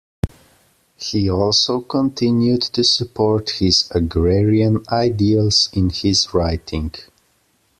He also continued to support his agrarian ideals in his writing.